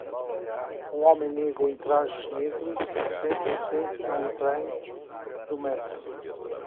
Um homem negro em trajes negros fica em frente a um trem do metrô.